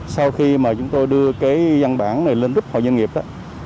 sau khi mà chúng tôi đưa cái văn bản này lên đúc hội doanh nghiệp đó